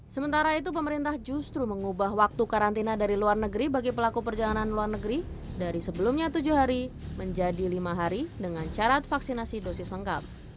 sementara itu pemerintah justru mengubah waktu karantina dari luar negeri bagi pelaku perjalanan luar negeri dari sebelumnya tujuh hari menjadi lima hari dengan syarat vaksinasi dosis lengkap